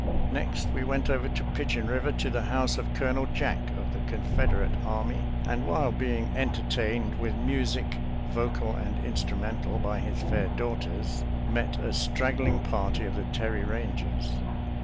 Next we went over to Pigeon River, to the house of Colonel Jack of the Confederate Army, and while being entertained with music, vocal and instrumental, by his fair daughters, met a strag gling party of the Terry Eangers.